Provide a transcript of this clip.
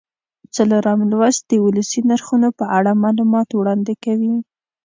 څلورم لوست د ولسي نرخونو په اړه معلومات وړاندې کوي.